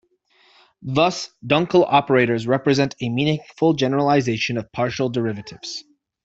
Thus Dunkl operators represent a meaningful generalization of partial derivatives.